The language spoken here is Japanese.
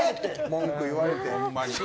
文句言われて。